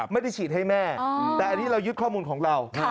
ไม่ได้ฉีดให้แม่แต่อันนี้เรายึดข้อมูลของเรา